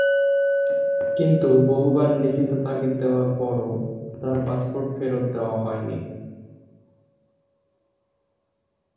কিন্তু বহুবার লিখিত তাগিদ দেওয়ার পরও তাঁর পাসপোর্ট ফেরত দেওয়া হয়নি।